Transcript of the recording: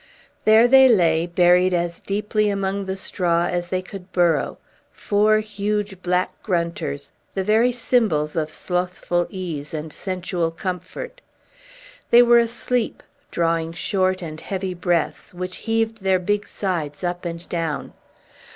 There they lay, buried as deeply among the straw as they could burrow, four huge black grunters, the very symbols of slothful ease and sensual comfort. They were asleep, drawing short and heavy breaths, which heaved their big sides up and down.